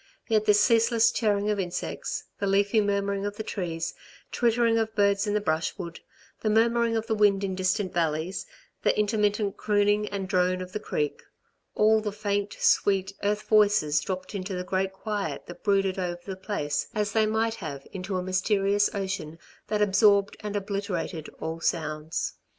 Yet this ceaseless chirring of insects, the leafy murmuring of the trees, twittering of birds in the brushwood, the murmuring of the wind in distant valleys, the intermittent crooning and drone of the creek all the faint, sweet, earth voices dropped into the great quiet that brooded over the place as they might have into a mysterious ocean that absorbed and obliterated all sounds.